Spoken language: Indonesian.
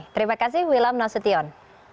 terima kasih wilam nasution